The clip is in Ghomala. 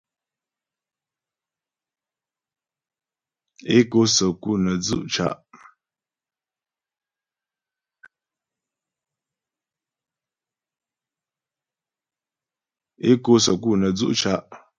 É kǒ səku nə́ dzʉ' ca'.